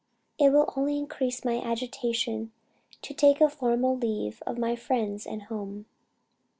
It will only increase my agitation to take a formal leave of my friends and home."